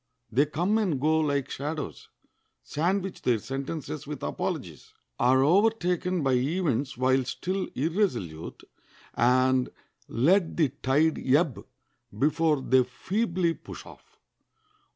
They come and go like shadows, sandwich their sentences with apologies, are overtaken by events while still irresolute, and let the tide ebb before they feebly push off.